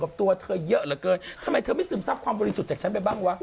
กับตัวเยอะหรือเกินทำไมจะมีความบริสุทธิ์จะไปบ้างกว่า